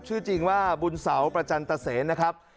ชื่อจริงว่าบุญเสาประจันตเซนนะครับ